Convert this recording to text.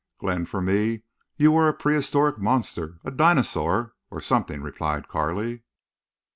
"Glenn, for me you were a prehistoric monster—a dinosaur, or something," replied Carley.